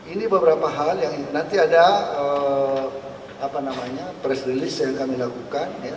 ini beberapa hal yang nanti ada press release yang kami lakukan